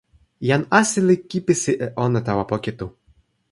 jan Asi li kipisi e ona tawa poki tu.